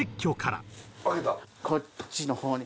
こっちの方に。